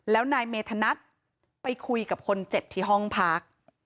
แล้วนายเมธนัดไปคุยกับคนเจ็บที่ห้องพัก